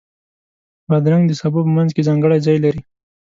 بادرنګ د سبو په منځ کې ځانګړی ځای لري.